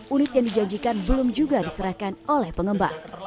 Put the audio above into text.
unit yang dijanjikan belum juga diserahkan oleh pengembang